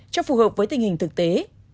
cho phù hợp với tình hình thực tế